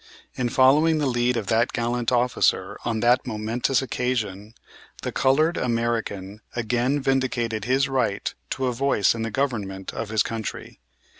In following the lead of that gallant officer on that momentous occasion, the colored American again vindicated his right to a voice in the government of his country.